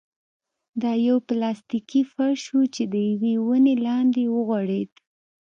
دا يو پلاستيکي فرش و چې د يوې ونې لاندې وغوړېد.